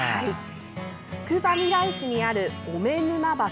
つくばみらい市にある小目沼橋。